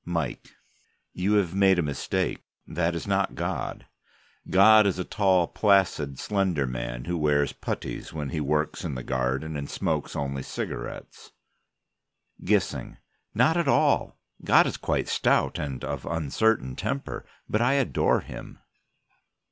MIKE: You have made a mistake. That is not God. God is a tall, placid, slender man, who wears puttees when He works in the garden and smokes only cigarettes. GISSING: Not at all. God is quite stout, and of uncertain temper, but I adore Him.